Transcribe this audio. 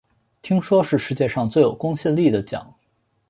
听说是世界上最有公信力的奖